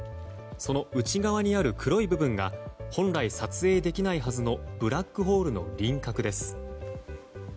その内側にある黒い部分が本来、撮影できないはずのブラックホールの輪郭です。